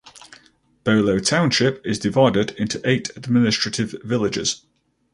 Bolo Township is divided into eight administrative villages.